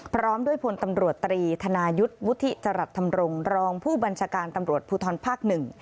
พร้อมด้วยพลตำรวจตรีธนายุทธ์วุฒิจรัสธรรมรงค์รองผู้บัญชาการตำรวจภูทรภาค๑